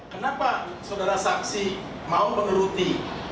kenapa saudara saksi mau menuruti